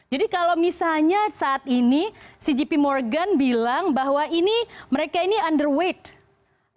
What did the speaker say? jadi kalau misalnya saat ini si jp morgan bilang bahwa ini mereka ini underweight